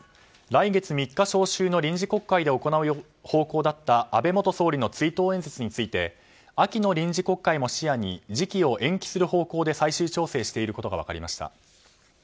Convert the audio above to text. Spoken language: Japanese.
来月３日召集の臨時国会で行う方向だった安倍元総理の追悼演説について秋の臨時国会を視野に時期を延期する方向で最終調整していることが分かりました。